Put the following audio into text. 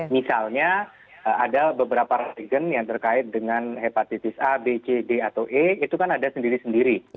misalnya ada beberapa regen yang terkait dengan hepatitis a b c d atau e itu kan ada sendiri sendiri